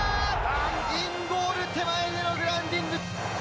インゴール手前でのグラウンディング。